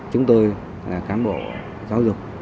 chúng tôi là cán bộ giáo dục